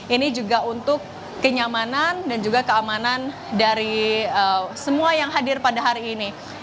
ini juga untuk kenyamanan dan juga keamanan dari semua yang hadir pada hari ini